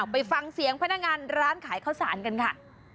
ไปฟังเสียงพนักงานร้านขายข้าวสารกันค่ะ